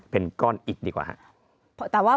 เป็นก้อนอิดดีกว่า